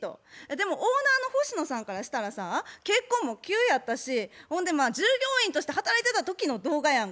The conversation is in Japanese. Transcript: でもオーナーの星野さんからしたらさ結婚も急やったしほんで従業員として働いてた時の動画やんか。